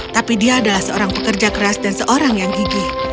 tapi dia adalah seorang pekerja keras dan seorang yang gigih